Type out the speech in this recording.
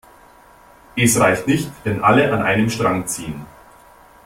Es reicht nicht, wenn alle an einem Strang ziehen.